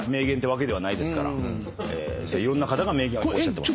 いろんな方が名言おっしゃってます。